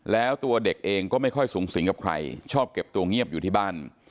แล้วตัวเด็กเองก็ไม่ค่อยสูงสิงกับใครชอบเก็บตัวเงียบอยู่ที่บ้าน